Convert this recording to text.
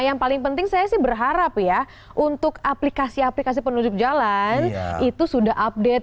yang paling penting saya sih berharap ya untuk aplikasi aplikasi penutup jalan itu sudah update